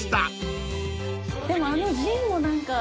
でもあのジンも何か。